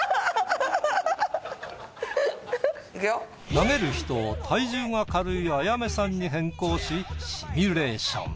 投げる人を体重が軽い彩芽さんに変更しシミュレーション。